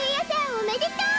おめでとう！